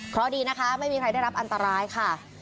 เพราะดีนะคะไม่มีใครได้รับอันตรายค่ะ